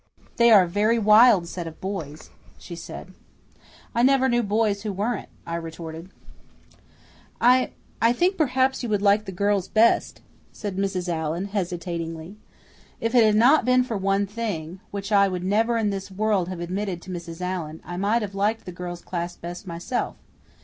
"They are a very wild set of boys," she said. "I never knew boys who weren't," I retorted. "I I think perhaps you would like the girls best," said Mrs. Allan hesitatingly. If it had not been for one thing which I would never in this world have admitted to Mrs. Allan I might have liked the girls' class best myself.